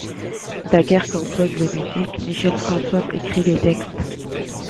Daguerre compose les musiques, Michel Françoise écrit les textes.